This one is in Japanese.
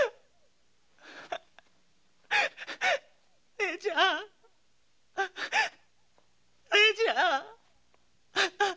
姉ちゃん姉ちゃん！